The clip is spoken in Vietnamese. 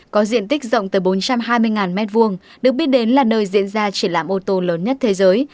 có diện tích rộng tới bốn trăm hai mươi m hai được biết đến là nơi diễn ra triển lãm ô tô lớn nhất thế giới